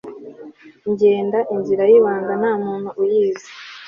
Ngenda inzira yibanga ntamuntu uyizi